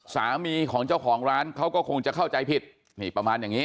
สามีของเจ้าของร้านเขาก็คงจะเข้าใจผิดนี่ประมาณอย่างนี้